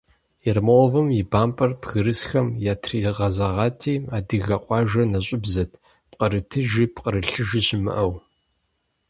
Ермоловым и бампӀэр бгырысхэм ятригъэзэгъати, адыгэ къуажэр нэщӀыбзэт, пкърытыжи пкърылъыжи щымыӀэу…